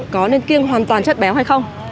có nên kiêng hoàn toàn chất béo hay không